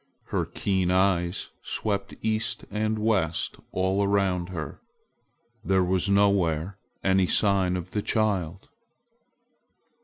Her keen eyes swept east and west and all around her. There was nowhere any sign of the child.